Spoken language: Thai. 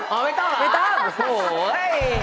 ไม่ต้องเหรอ